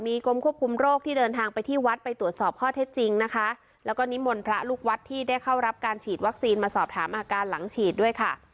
กรมควบคุมโรคที่เดินทางไปที่วัดไปตรวจสอบข้อเท็จจริงนะคะแล้วก็นิมนต์พระลูกวัดที่ได้เข้ารับการฉีดวัคซีนมาสอบถามอาการหลังฉีดด้วยค่ะ